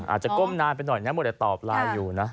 อาจจะก้มนานไปหน่อยอย่างนี้หมดแต่ตอบลายอยู่นะ